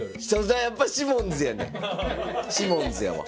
じゃあやっぱシモンズやねんシモンズやわ。